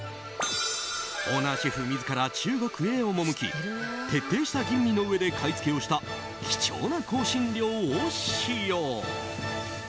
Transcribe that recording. オーナーシェフ自ら中国へ赴き徹底した吟味のうえで買い付けをした貴重な香辛料を使用。